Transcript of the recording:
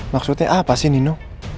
maksudnya apa sih nino